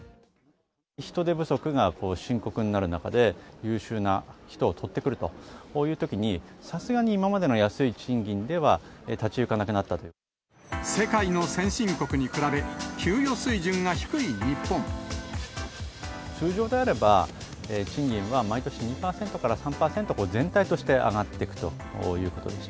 人手不足が深刻になる中で、優秀な人を採ってくるというときに、さすがに今までの安い賃金で世界の先進国に比べ、通常であれば、賃金は毎年２％から３％、全体として上がっていくということです。